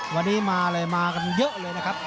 วันนี้มาเลยมากันเยอะเลยนะครับ